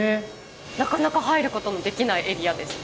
なかなか入ることのできないエリアです。